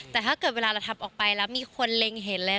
แต่ถ้าเกิดเวลาเราทำออกไปแล้วมีคนเล็งเห็นเลย